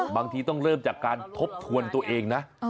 บางทีต้องเริ่มจากการทบทวนตัวเองนะ